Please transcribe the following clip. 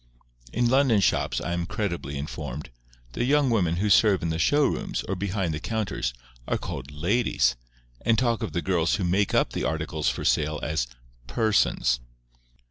In London shops, I am credibly informed, the young women who serve in the show rooms, or behind the counters, are called LADIES, and talk of the girls who make up the articles for sale as PERSONS.